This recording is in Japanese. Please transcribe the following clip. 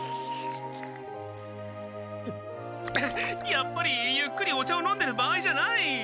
やっぱりゆっくりお茶を飲んでる場合じゃない！